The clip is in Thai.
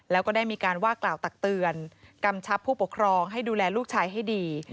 แล้วก็ได้มีการว่ากล่าวตักเตือนกำชับผู้ปกครองให้ดูแลลูกชายให้ดี